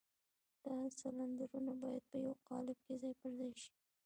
دا سلنډرونه بايد په يوه قالب کې ځای پر ځای شي.